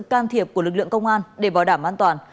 can thiệp của lực lượng công an để bảo đảm an toàn